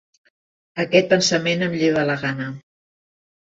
Aquest pensament em lleva la gana.